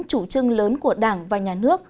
chủ trưng lớn của đảng và nhà nước